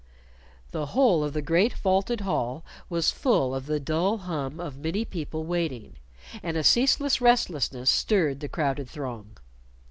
The whole of the great vaulted hall was full of the dull hum of many people waiting, and a ceaseless restlessness stirred the crowded throng.